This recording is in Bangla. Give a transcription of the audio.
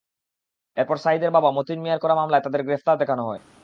এরপর সাঈদের বাবা মতিন মিয়ার করা মামলায় তাঁদের গ্রেপ্তার দেখানো হয়।